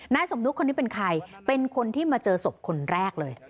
สมนึกคนนี้เป็นใครเป็นคนที่มาเจอศพคนแรกเลย